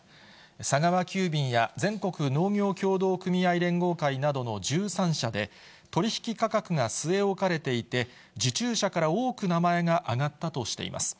佐川急便や全国農業協同組合連合会などの１３社で、取り引き価格が据え置かれていて、受注者から多く名前が挙がったとしています。